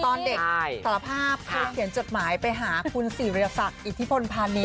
ตอนเด็กตัดภาพคุณก็เขียนจดหมายไปยาคุณสิราษะอิธิภนพาณิ